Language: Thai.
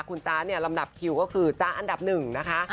คุณจ๊ะเนี่ยลำดับคิวก็คือจ๊ะอันดับหนึ่งนะคะ